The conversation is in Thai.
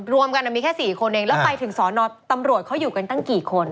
รวมกันมีแค่๔คนเองแล้วไปถึงสอนอตำรวจเขาอยู่กันตั้งกี่คน